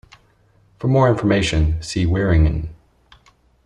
For more information see Wieringen.